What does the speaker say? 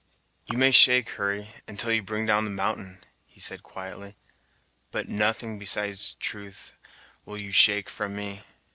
"You may shake, Hurry, until you bring down the mountain," he said quietly, "but nothing beside truth will you shake from me.